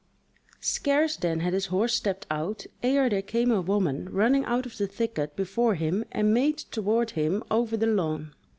Scarce then had his horse stepped out, ere there came a woman running out of the thicket before him and made toward him over the lawn.